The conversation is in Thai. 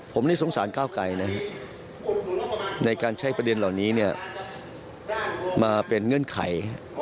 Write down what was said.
ผมนี่สงสารก้าวไกลนะฮะในการใช้ประเด็นเหล่านี้มาเป็นเงื่อนไข